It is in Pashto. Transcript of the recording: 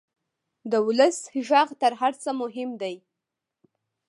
د ولس غږ تر هر څه مهم دی.